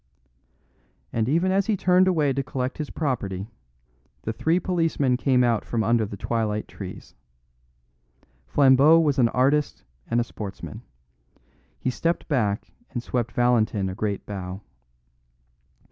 And even as he turned away to collect his property, the three policemen came out from under the twilight trees. Flambeau was an artist and a sportsman. He stepped back and swept Valentin a great bow.